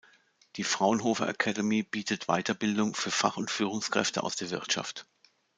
Die Fraunhofer Academy bietet Weiterbildung für Fach- und Führungskräfte aus der Wirtschaft.